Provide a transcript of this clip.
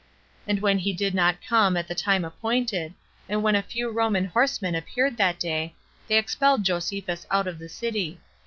And when he did not come at the time appointed, and when a few Roman horsemen appeared that day, they expelled Josephus out of the city.